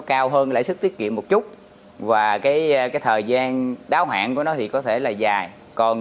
cao hơn lãi suất tiết kiệm một chút và cái thời gian đáo hạn của nó thì có thể là dài còn